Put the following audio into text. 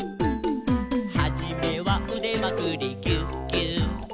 「はじめはうでまくりギューギュー」